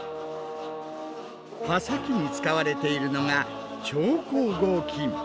刃先に使われているのが「超硬合金」。